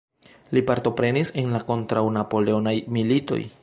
Li partoprenis en la kontraŭ-Napoleonaj militoj.